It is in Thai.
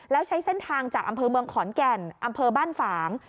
แล้วใช้เส้นทางจากอำเภอเมืองขอนแก่นอำเภอบ้านฝาง